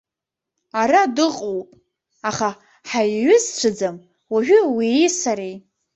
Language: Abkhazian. Ара дыҟоуп, аха ҳаиҩызцәаӡам уажәы уии сареи.